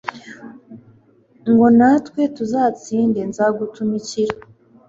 ngo natwe tuzatsinde, nzagutumikira